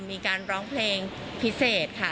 มีการร้องเพลงพิเศษค่ะ